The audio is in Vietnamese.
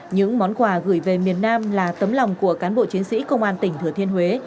những món quà gửi về miền nam là tấm lòng của cán bộ chiến sĩ công an tỉnh thừa thiên huế